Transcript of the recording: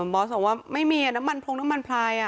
บอสบอกว่าไม่มีน้ำมันพรงน้ำมันพลาย